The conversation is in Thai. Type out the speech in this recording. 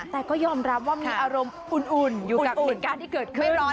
แต่ก็ยอมรับว่ามีอารมณ์อุ่นอยู่กับเหตุการณ์ที่เกิดขึ้นร้อน